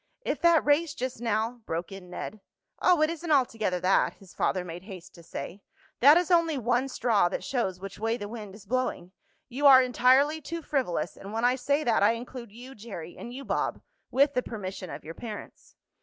"If that race just now " broke in Ned. "Oh, it isn't altogether that!" his father made haste to say. "That is only one straw that shows which way the wind is blowing. You are entirely too frivolous, and when I say that I include you, Jerry, and you, Bob, with the permission of your parents."